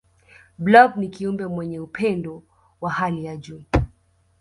blob ni kiumbe mwenye upendo wa hali ya juu